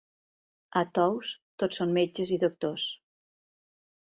A Tous tots són metges i doctors.